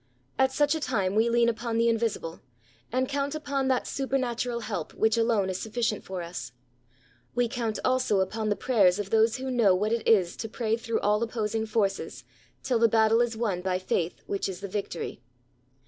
At such a time we lean upon the Invisible, and count upon that supernatural help which alone is sufficient for us; we count also upon the prayers of those who know what it is to pray through all opposing forces, till the battle is won by faith which is the victory.